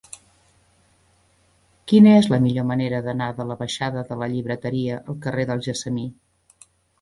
Quina és la millor manera d'anar de la baixada de la Llibreteria al carrer del Gessamí?